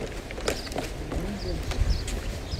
D nniya meskin.